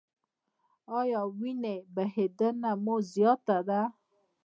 ایا وینې بهیدنه مو زیاته ده؟